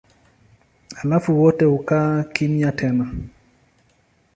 Halafu wote hukaa kimya tena.